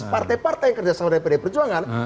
partai partai yang kerjasama dari pdi perjuangan